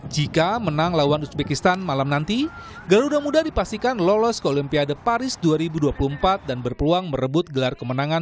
jika menang lawan uzbekistan malam nanti garuda muda dipastikan lolos ke olimpiade paris dua ribu dua puluh empat dan berpeluang merebut gelar kemenangan